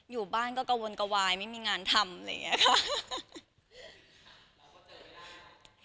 อยู่บ้านก็กระวนกระวายไม่มีงานทำอะไรอย่างนี้ค่ะ